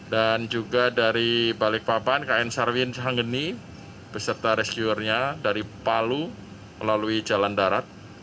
dan juga dari balikpapan kn sar win sangeni beserta rescuernya dari palu melalui jalan darat